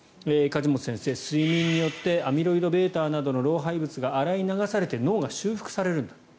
梶本先生、睡眠によってアミロイドβなどの老廃物が洗い流されて脳が修復されるんだと。